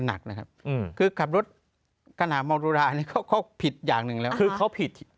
หรือว่าต้องแยกมองยังไง